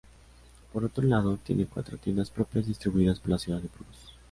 Por otro lado, tiene cuatro tiendas propias distribuidas por la ciudad de Burgos.